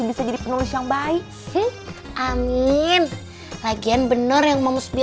kita juga jejak ga bisa beban aja ke mulia